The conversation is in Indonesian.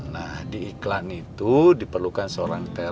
nah di iklan itu diperlukan seorang ter